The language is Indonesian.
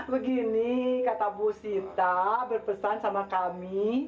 begini kata bu sita berpesan sama kami